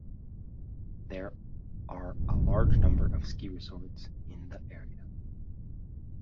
There are a large number of ski resorts in the area.